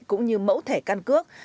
cũng như mẫu thẻ căn cước